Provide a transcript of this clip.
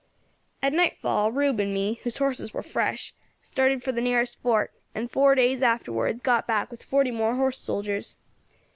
"At nightfall Rube and me, whose horses war fresh, started for the nearest fort, and four days afterwards got back with forty more horse soldiers.